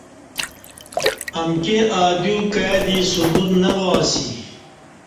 امکی ا دیو کای دی ثبوت نہ وا اسی